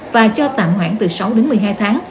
và cho tạm hoãn từ sáu đến một mươi hai tháng